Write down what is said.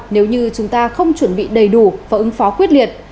nếu như chúng ta không chuẩn bị đầy đủ và ứng phó quyết liệt